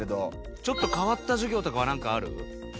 ちょっと変わった授業とかはなんかある？